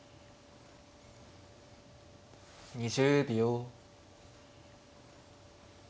２０秒。